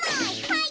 はい。